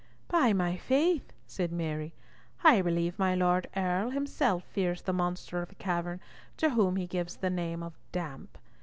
"By my faith," said Mary, "I believe my Lord Earl himself fears the monster of the cavern, to whom he gives the name of Damp.